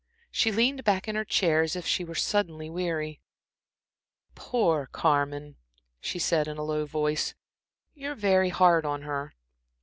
She leaned back in her chair as if she were suddenly weary. "Poor Carmen!" she said, in a low voice. "You're very hard on her."